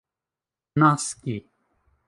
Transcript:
naski